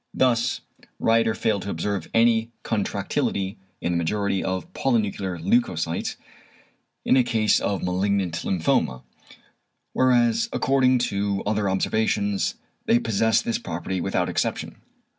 Thus Rieder failed to observe any contractility in the majority of polynuclear leucocytes in a case of malignant lymphoma, whereas according to all other observations they possess this property without exception.